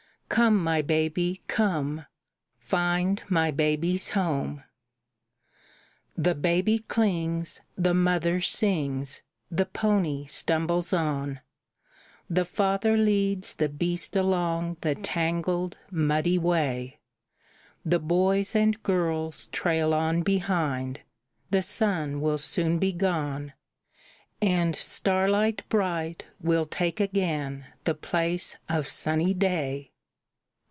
Come, my baby, come! Find my baby's home!" The baby clings; the mother sings; the pony stumbles on; The father leads the beast along the tangled, muddy way; The boys and girls trail on behind; the sun will soon be gone, And starlight bright will take again the place of sunny day.